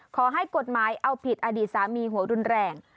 ขอให้กฎหมายเอาผิดอดีตสามีหัวรุนแรง